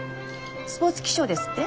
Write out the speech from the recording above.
スポーツ気象ですって？